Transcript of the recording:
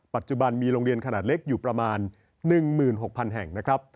ปัจจุบันมีโรงเรียนขนาดเล็กอยู่ประมาณ๑๖๐๐๐แห่งนะครับ